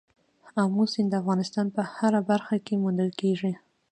آمو سیند د افغانستان په هره برخه کې موندل کېږي.